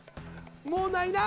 もうないな？